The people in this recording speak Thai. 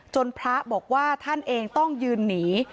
พระบอกว่าท่านเองต้องยืนหนี